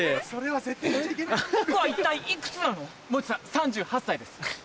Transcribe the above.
３８歳です。